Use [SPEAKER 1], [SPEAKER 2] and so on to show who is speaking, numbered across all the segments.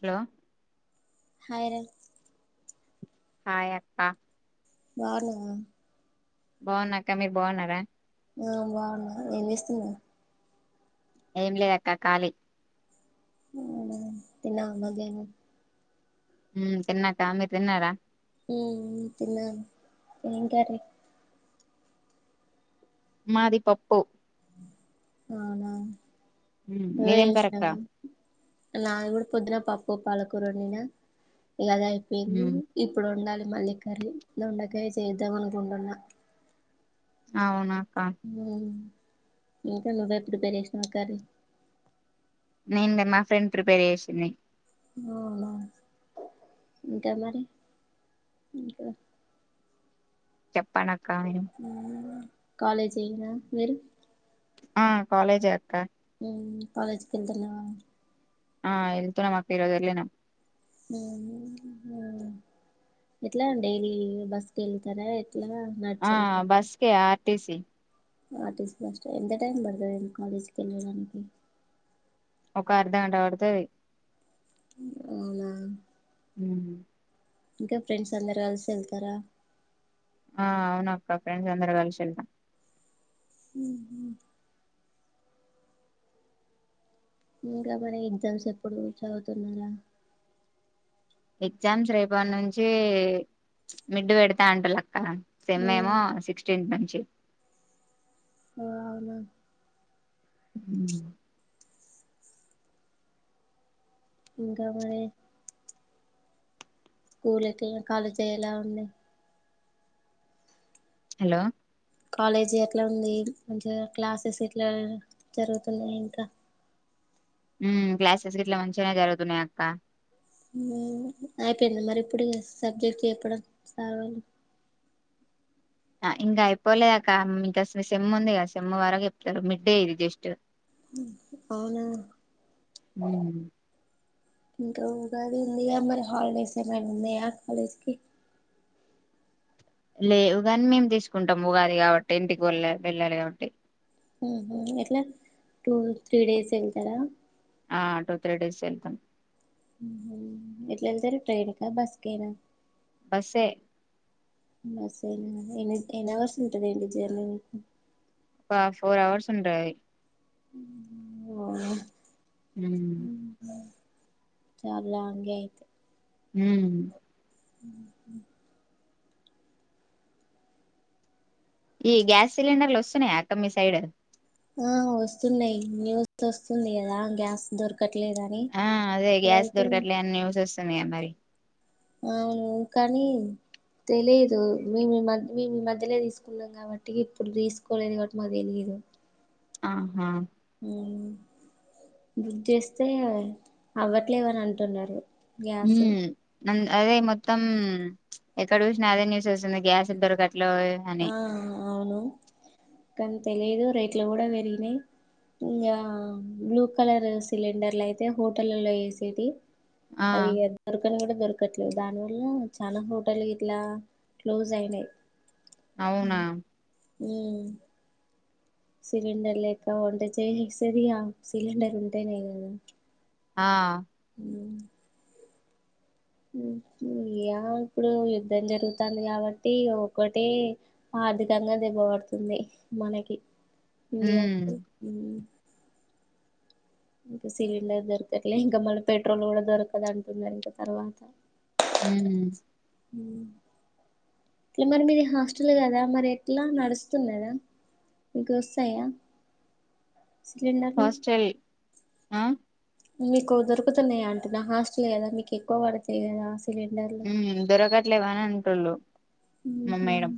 [SPEAKER 1] Hello
[SPEAKER 2] hi రా
[SPEAKER 1] hi అక్క
[SPEAKER 2] బాణావ
[SPEAKER 1] బాగునక్క మీరు బాగున్నారా
[SPEAKER 2] ఆ బాగున్నా ఏం చేస్తున్నవ్
[SPEAKER 1] ఏంలే అక్క కాలి.
[SPEAKER 2] అవునా తిన్నవా మధ్యానం.
[SPEAKER 1] ఉమ్ తిన్నాక అ మీర్ తిన్నారా?
[SPEAKER 2] ఉమ్ తిన్నాం ఎమ్ కర్రీ
[SPEAKER 1] మాది పప్పు
[SPEAKER 2] అవునా
[SPEAKER 1] ఉమ్,
[SPEAKER 2] నువ్వే
[SPEAKER 1] మీదేం కరక్క
[SPEAKER 2] చేసినవ్గా నాది గుడా పొద్దున పప్పు పాలకూరొండిన ఇగ అద్ అయిపోయింది ఇప్పుడు ఒండాలి. మళ్ళీ కర్రీ దొండకాయ్ చేద్దాం అనుకుంటున్న.
[SPEAKER 1] అవునా
[SPEAKER 2] ఆమ్మో [inaudible] నువ్వే ప్రిపేర్ చేసినవా కర్రీ
[SPEAKER 1] నేన్ మా ఫ్రెండ్ ప్రిపేర్ చేసింది.
[SPEAKER 2] అవునా ఇంకా మరి ఇంకా
[SPEAKER 1] పనకాయనం.
[SPEAKER 2] కాలేజేనా మీరు
[SPEAKER 1] ఆ కాలేజే అక్క.
[SPEAKER 2] మ్ కాలేజ్కెళ్తున్నవా
[SPEAKER 1] ఆ ఎళ్తున్నమక్క ఈ రోజ్ ఎళ్ళినం.
[SPEAKER 2] ఎట్లా డైలీ బస్కెళ్తరా
[SPEAKER 1] ఆ బస్కే ఆర్టీసీ
[SPEAKER 2] ఆర్టిస్ట్ బస్క ఎంత టైం పడ్తది కాలేజ్కెళ్ళడానికి
[SPEAKER 1] ఒక అర్ధ గంట పడ్తది.
[SPEAKER 2] అవునా
[SPEAKER 1] మ్
[SPEAKER 2] ఇంకా ఫ్రెండ్స్ అందరు కల్సి ఎళ్తరా
[SPEAKER 1] ఆ అవునక్క ఫ్రెండ్స్ అందర్ కల్సి ఎళ్తాం.
[SPEAKER 2] మ్ హ్ ఇంకా మరి ఎగ్జామ్స్ ఎప్పుడు చదువుతున్నారా
[SPEAKER 1] ఎగ్జామ్స్ రేపట్ నుంచి మిడ్ పెడ్తా అంటున్లక్క సేమ్ ఏమో సిక్స్టీన్థ్ నుంచి
[SPEAKER 2] ఆ అవునా
[SPEAKER 1] మ్
[SPEAKER 2] ఇంకా మరీ స్కూల్ ఎట్ల కాలేజ్ ఎలా ఉంది.
[SPEAKER 1] హలో!
[SPEAKER 2] కాలేజీ ఎట్ల ఉంది. మంచిగ క్లాస్సేస్ ఎట్లా జరుగుతున్నాయి ఇంకా
[SPEAKER 1] మ్ క్లాసెస్ గిట్ల మంచిగనే జరుగుతున్నయి అక్క
[SPEAKER 2] అయిపోయిందా మరి ఇప్పుడు ఇగ సబ్జెక్ట్ చెప్పడం సార్ వాళ్లు
[SPEAKER 1] ఆ ఇంకా అయిపోలే అక్క మ్ ఇంకా మీ సెమ్ ఉందిగా సెమ్ వరకు చెప్తరు. మిడ్డే ఇది జస్ట్
[SPEAKER 2] అవునా ఇంకా ఉగాది ఉందిగా మరి హాలిడేస్ ఏమైనా ఉన్నయా కాలేజ్కి
[SPEAKER 1] లేవు గన్ మేం తీస్కుంటాం. ఉగాది కాబట్టి ఇంటికి వెళ్ళ వెళ్ళాలి కాబట్టి
[SPEAKER 2] మ్ హ్ ఎట్లా టూ త్రి డేస్ ఎళ్తరా?
[SPEAKER 1] ఆ టూ త్రీ డేస్ ఎళ్తం.
[SPEAKER 2] ఎట్ల ఎళ్తరు ట్రైన్కా, బస్కేనా
[SPEAKER 1] బస్సే.
[SPEAKER 2] బస్సేనా ఎన్ ఎన్ని అవర్స్ ఉంటద్ ఏంటి జర్నీ
[SPEAKER 1] పా ఫోర్ అవర్స్ ఉంటది.
[SPEAKER 2] మ్ హ్ అవునా
[SPEAKER 1] ఉమ్,
[SPEAKER 2] చాలా లాంగే అయితే
[SPEAKER 1] ఊమ్
[SPEAKER 2] ఊహ్మ్మ్
[SPEAKER 1] ఈ గ్యాస్ సిలిండర్లు వస్తున్నాయా అక్క మీ సైడ్
[SPEAKER 2] ఆ వస్తున్నయి న్యూస్ వస్తుంది కదా గ్యాస్ దొర్
[SPEAKER 1] ఆ అదే గ్యాస్ దొరకట్లే అన్ న్యూస్ వస్తుందిగా మరి
[SPEAKER 2] అవును కానీ తెలియదు మేము ఈ మధ్ ఈ మధ్యలో తీసుకున్నాం కాబట్టి ఇప్పుడు తీసుకోలేదు కాబట్టి మాకు తెలియదు అ [inaudible]
[SPEAKER 1] ఆహా
[SPEAKER 2] బుగ్ చేస్తే అవ్వట్లేదాని అంటున్నరు గ్యాస్
[SPEAKER 1] అన్ అదే మొత్తం ఎక్కడ చూసినా అదే న్యూస్ వస్తుంది గ్యాస్లు దొరకట్లే అని
[SPEAKER 2] ఆ అవును కానీ తెలిదు రేట్లు కూడా పెరిగినయి ఇంకా బ్లూ కలర్ సిలిండర్లు అయితే హోటలల్లో వేసేటి
[SPEAKER 1] ఆ
[SPEAKER 2] అవిగ దొరకను గుడ దొరక ట్లే దాని వల్ల చాలా హోటల్ గిట్లా క్లోజ్ అయినయ్
[SPEAKER 1] అవునా
[SPEAKER 2] ఉమ్ సిలిండర్లేక వంటచే సిరి సిలిండర్ ఉంటేనే కదా
[SPEAKER 1] ఆ
[SPEAKER 2] ఊహ్మ్మ్ ఏమో ఇప్పుడు యుద్ధం జరుగుతాంది కాబట్టి ఒకటే ఆర్ధికంగా దెబ్బబడుతుంది మనకి
[SPEAKER 1] ఉమ్
[SPEAKER 2] ఇండియాకి ఇంక సిలిండర్ దొరకట్లే ఇంక మళ్ళ పెట్రోల్ గూడ దొరకాదు అంటున్నారు ఇంకా తర్వాత
[SPEAKER 1] ఉమ్
[SPEAKER 2] ఇట్లమరి మీది హాస్టల్ కదా మరి ఎట్లా నడుస్తున్నదా మీకోస్తయా
[SPEAKER 1] హాస్టల్ ఆ
[SPEAKER 2] మీకు దొకుతున్నాయ అంటునా హాస్టల్ కదా మీకు ఎక్కువ పడతయి కదా సిలిండర్లు
[SPEAKER 1] ఉమ్ దొరకట్లే వని అంటుండు మా
[SPEAKER 2] ఉహు
[SPEAKER 1] మేడం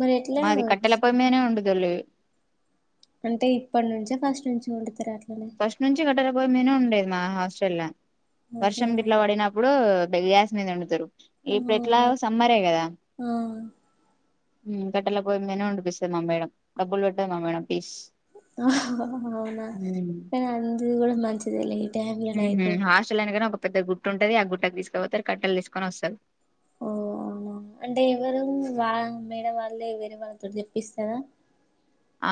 [SPEAKER 2] మరి ఎట్లా
[SPEAKER 1] మాది కట్టెల పొయ్యిమీదనే వండుతలే
[SPEAKER 2] అంటే ఇప్పటి నుంచ ఫస్ట్ నుంచి వండుతర అట్
[SPEAKER 1] ఫస్ట్ నుంచి గట్టల పోయి మీదనే వండేది మా హాస్టల్ల వర్షం
[SPEAKER 2] ఓహో
[SPEAKER 1] గిట్ల వడినప్పుడు గ్యాస్ మీద వండుతరు ఇప్పుడు
[SPEAKER 2] అవునా
[SPEAKER 1] ఎట్లాగొ సమ్మరే గదా
[SPEAKER 2] ఆ
[SPEAKER 1] ఉమ్ కట్టెల పోయి మీదనే వండిపిస్తది మా మేడం డబ్బులు పెట్టదు మా మేడం ఫీస్
[SPEAKER 2] అవునా
[SPEAKER 1] ఉమ్
[SPEAKER 2] కాని అంది కూడా మంచిదేలే టైమ్ లోనయితే
[SPEAKER 1] హాస్టల్ అనగానే ఒక పెద్ద గుట్ట ఉంటది ఆ గుట్టకు తీసుకపోతరు కట్టలు తీసుకొని వస్తరు
[SPEAKER 2] ఓ అంటే ఎవరు వాల్ మేడ వాళ్ళే వేరే వాళ్ళతో తెప్పిస్తర
[SPEAKER 1] ఆ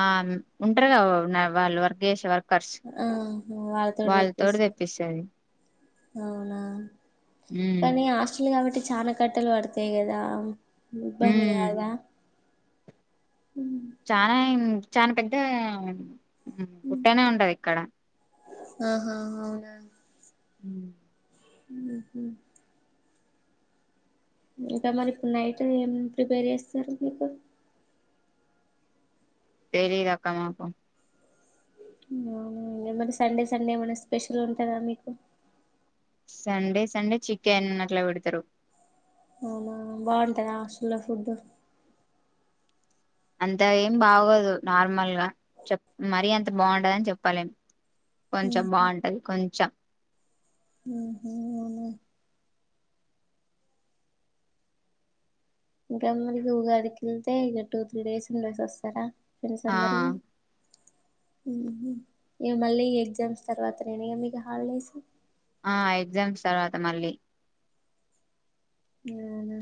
[SPEAKER 1] ఉంటరుగా వ్ వాళ్ళు వర్క్ చేసే వాళ్ళు
[SPEAKER 2] అహో వాళ్ళతోటి తెప్పిస్తరు
[SPEAKER 1] తెప్పిస్తది
[SPEAKER 2] అవునా
[SPEAKER 1] ఉమ్
[SPEAKER 2] కానీ హాస్టల్ కాబట్టి చాలా కట్టలు వడతయి కదా ఇబ్బంది
[SPEAKER 1] ఉమ్
[SPEAKER 2] గాదా
[SPEAKER 1] చానా ఎమ్ చాన పెద్ద గుట్టనే ఉంటది ఇక్కడ
[SPEAKER 2] ఆహా అవునా
[SPEAKER 1] హ్మ్మ్
[SPEAKER 2] ఉహు ఇంకా మరి ఇప్పుడు నైట్ ఏం ప్రిపేర్ చేస్తరు మీకు
[SPEAKER 1] తెలీదు అక్క మాకు
[SPEAKER 2] మరి సండే సండే ఏమన్నా స్పెషల్ ఉంటందా మీకు
[SPEAKER 1] సండే సండే చికెన్ అట్లా పెడుతారు.
[SPEAKER 2] అవునా బాగుంటదా హాస్టల్ల ఫుడ్డు.
[SPEAKER 1] అంత ఏం బాగోదు నార్మల్ గా చెప్ మరీ అంత బాగుండదని చెప్పాలేం. కొంచెం బాగుంటది కొంచెం.
[SPEAKER 2] మ్ హు అవున ఉగాది ఉగాదికి ఎల్తే ఈగ టూ త్రీ డేస్ ఉండేసి ఓస్తరా ఫ్రెండ్స్
[SPEAKER 1] ఆ
[SPEAKER 2] అందరూ ఉహామ్ ఇగా మళ్ళీ ఈ ఎగ్జామ్స్ తర్వాత నేన ఇగ మీకు హాలిడేస్
[SPEAKER 1] ఆహ్ ఎగ్జామ్స్ తర్వాత మళ్ళీ.
[SPEAKER 2] ఆవునా.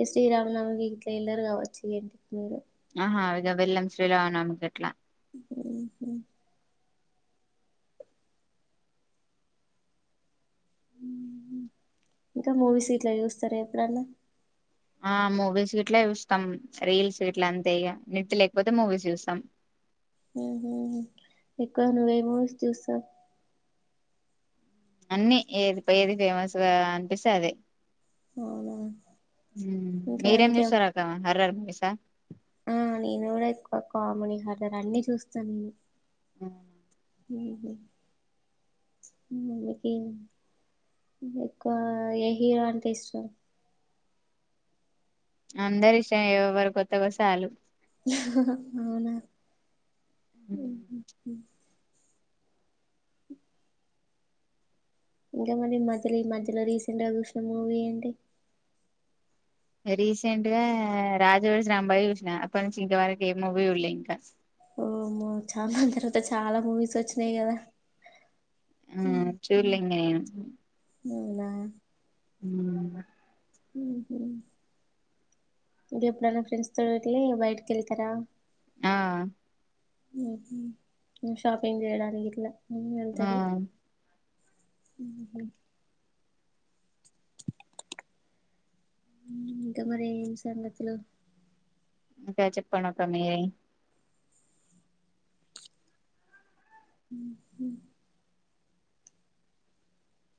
[SPEAKER 2] ఈ శ్రీరామనమికి ఎల్లారు కావచ్చు ఇంటికి మీరు.
[SPEAKER 1] ఆహా ఇగ వెళ్లాం శ్రీరామనవమికి అట్లా.
[SPEAKER 2] ఉమ్ ఉహూ. ఇంకా మూవీస్ గిట్ల చూస్తారా ఎప్పుడన్నా.
[SPEAKER 1] ఆహ్ మూవీస్ గిట్ల చూస్తాం రీల్స్ గిట్ల అంతే ఇగా నేట్ లేకపోతే మూవీస్ చూస్తాం.
[SPEAKER 2] ఉమ్ ఎక్కడ నువ్వు ఏం మూవీస్ చూస్తావు.
[SPEAKER 1] అన్నీ ఏది ఏది ఫేమస్గా అనిపిస్తే అది.
[SPEAKER 2] అవునా
[SPEAKER 1] ఉమ్
[SPEAKER 2] ఇంకా
[SPEAKER 1] మీరేం చస్తారాక్క హారర్ మూవీస్ ఆహ్.
[SPEAKER 2] ఆహ్ నేను కూడా ఎక్కువ కామెడీ హారర్ అన్ని చూస్తా నేను.
[SPEAKER 1] ఉమ్
[SPEAKER 2] ఉమ్ [unintelligible] ఎక్కువ ఏ హీరో అంటే ఇష్టం.
[SPEAKER 1] అందరూ ఇష్టమే ఎవరు కొత్తగా ఒస్తే అల్లు.
[SPEAKER 2] అవునా ఉమ్ హు. ఇంకా మరి మధ్యలో ఈ మధ్యలో రీసెంట్ గా చూసిన మూవీ ఏంటి.
[SPEAKER 1] రీసెంట్ గా రాజు వెడ్స్ రాంబాయ్ చూసిన అప్పటి నుంచి ఇంత వరకి ఏ మూవీ చూడ్లే ఇంకా.
[SPEAKER 2] ఓమో చాలా తర్వాత చాలా మూవీస్ వచ్చినాయి కదా.
[SPEAKER 1] ఉమ్ చూడలే ఇంకా ఏమ్.
[SPEAKER 2] అవునా.
[SPEAKER 1] ఉమ్.
[SPEAKER 2] ఉమ్ హు ఇంకా ఎప్పుడన్న ఫ్రెండ్స్ తోటి అట్లే బయటకి వెళ్తారా.
[SPEAKER 1] ఆహ్.
[SPEAKER 2] ఉమ్ ఇంక్ షాపింగ్ చేయడానికిట్లా.
[SPEAKER 1] ఆహ్.
[SPEAKER 2] ఉమ్. ఉమ్ ఇంకా మరి ఏం సంగతులు.
[SPEAKER 1] ఇంకా చెప్పండి ఒకమే.
[SPEAKER 2] ఉమ్ హు.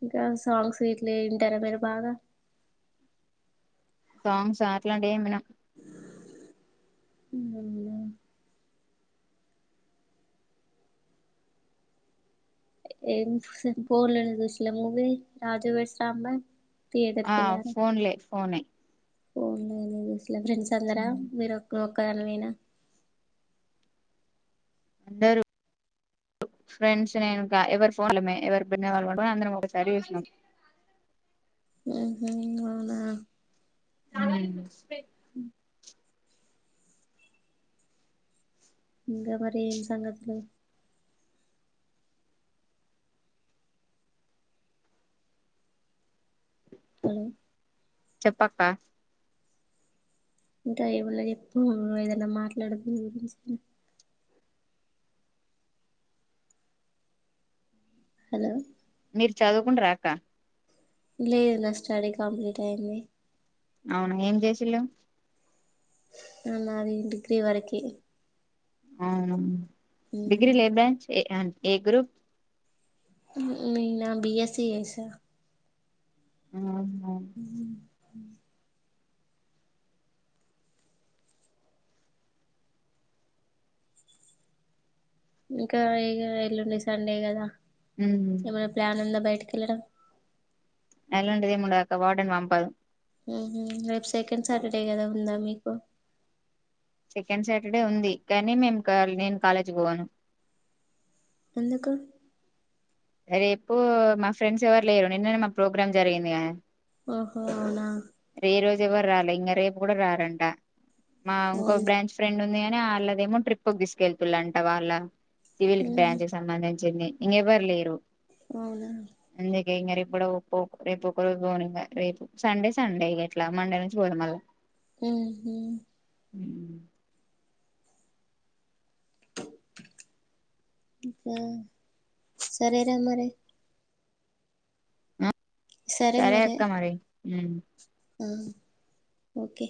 [SPEAKER 2] ఇంకా సాంగ్స్ గిట్ల వింటారా మీరు బాగా.
[SPEAKER 1] సాంగ్స్ అట్లాంటివి ఏం వినం.
[SPEAKER 2] ఉమ్ మరి మీరు. ఎమ్ సీన్ ఫోన్లానే చూసిలే movie Raju weds Rambai. Theatre
[SPEAKER 1] ఆహ్ ఫోన్లే ఫోన్ ఏ.
[SPEAKER 2] ఫోన్ లో చూసిల ఫ్రెండ్స్ అందరా మీరు ఒక్క ఒక దానివేనా.
[SPEAKER 1] అందరూ. ఫ్రెండ్స్ నేను ఇంకా ఎవరు ఫోన్లమే ఎవరి బెడ్ మీద వాళ్ళు పండుకొని అందరం ఒకసారి చూసినాం.
[SPEAKER 2] ఉమ్ హు అవునా.
[SPEAKER 1] ఉమ్.
[SPEAKER 2] ఉమ్. ఇంకా మరి ఏం సంగతులు. హలో
[SPEAKER 1] చెప్పక్క.
[SPEAKER 2] ఇంకా ఏములే చెప్పు ఉమ్ ఏదన్న మాట్లాడు నువ్వు. హలో
[SPEAKER 1] మీరు చదువుకుంటరా అక్క
[SPEAKER 2] లేదు నా స్టడీ కంప్లీట్ అయింది.
[SPEAKER 1] ఔనా ఏం జెశిల్లూ.
[SPEAKER 2] అ నాది డిగ్రీ వరకె
[SPEAKER 1] ఔను డిగ్రీలేబ్యాచ్ ఏ అ ఏ గ్రూప్
[SPEAKER 2] నీనా బీఎస్సీ జేశా
[SPEAKER 1] ఉమ్
[SPEAKER 2] ఉమ్ ఉమ్ ఇంకా ఇగ ఎల్లుండి సండే కదా
[SPEAKER 1] ఉమ్
[SPEAKER 2] ఎమన్నా ప్లాన్ ఉందా బయటక్ తిరగడం
[SPEAKER 1] అట్లాంటిదేముండదక్క వార్డెన్ వంపదు
[SPEAKER 2] ఉహు రేప్ సెకండ్ సాటర్డే గదా ఉందా మీకు
[SPEAKER 1] సెకండ్ సాటర్డే ఉంది కానీ మేం కాల్న్ నేన్ కాలేజ్ వోను
[SPEAKER 2] ఎందుకు?
[SPEAKER 1] రేపు మా ఫ్రెండ్స్ ఎవ్వరు లేరు నిన్న నే మాక్ ప్రోగ్రామ్ జరిగింది గద
[SPEAKER 2] ఓహో అవునా
[SPEAKER 1] ఎవ్వర్రాలే ఇంగ రేపు గూడ రారంట మా ఉంకో
[SPEAKER 2] అవును
[SPEAKER 1] బ్రాంచ్ ఫ్రెండ్ ఉంద్ ఉంది గాని ఆళ్లదేమో ట్రిప్క్ దిస్కెళ్తులంట వాళ్ళ సివిల్కి
[SPEAKER 2] ఉహు
[SPEAKER 1] బ్రాంచ్ కి సంబంధించి చింది ఇంగెఎవ్వర్లేరు.
[SPEAKER 2] అవునా
[SPEAKER 1] ఇంగ రేపు గుడా ఒపో రేపొక్క రోజు బోనింగా రేపు సండే సండే ఇగ ఎట్లా మండే నుంచి బోత మళ్ళా
[SPEAKER 2] ఉమ్ హు
[SPEAKER 1] ఉమ్
[SPEAKER 2] స సరేరా మరి
[SPEAKER 1] సరే అక్క మరి ఉమ్
[SPEAKER 2] ఆహ్ ఓకే